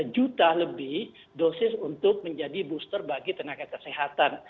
tiga juta lebih dosis untuk menjadi booster bagi tenaga kesehatan